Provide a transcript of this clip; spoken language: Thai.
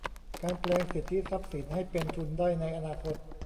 การแปลงสิทธิทรัพย์สินให้เป็นทุนได้ในอนาคต